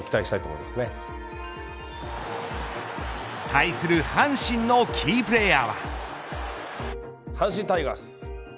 対する阪神のキープレイヤーは。